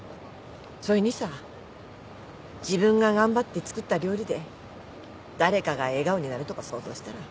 そいにさ自分が頑張って作った料理で誰かが笑顔になるとこ想像したら。